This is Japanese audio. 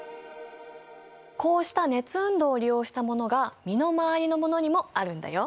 こうした熱運動を利用したものが身の回りのものにもあるんだよ。